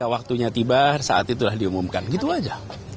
waktunya tiba saat itu sudah diumumkan gitu aja